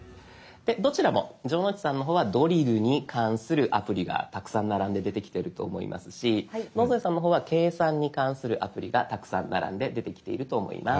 どちらも城之内さんの方はドリルに関するアプリがたくさん並んで出てきてると思いますし野添さんの方は計算に関するアプリがたくさん並んで出てきていると思います。